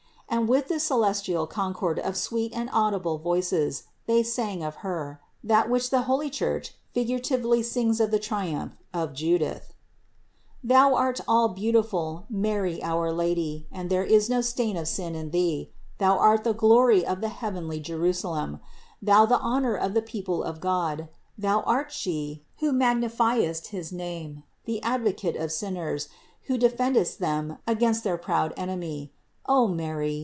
And with celestial concord of sweet and audible voices they sang of Her, that which the holy Church figura tively sings of the triumph of Judith : "Thou art all beautiful, Mary our Lady, and there is no stain of sin in Thee; Thou art the glory of the heavenly Jerusalem; Thou the honor of the people of God ; Thou art She, who magnifiest his name, the Advocate of sinners, who de fendest them against their proud enemy! O Mary!